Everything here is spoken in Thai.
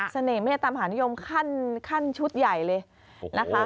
เมตตามหานิยมขั้นชุดใหญ่เลยนะคะ